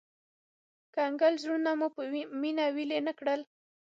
کنګل زړونه مو په مينه ويلي نه کړل